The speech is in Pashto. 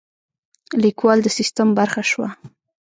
لیکوال د سیستم برخه شوه.